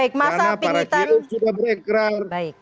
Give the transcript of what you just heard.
karena para gil sudah berekrar